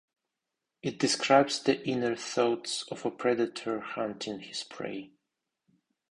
It describes the inner thoughts of a predator hunting his prey.